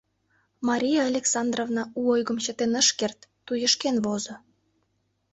Мария Александровна у ойгым чытен ыш керт — туешкен возо.